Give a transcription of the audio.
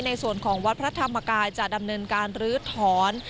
ในส่วนของวัดพระธรรมกายจะดำเนินการลื้อถอน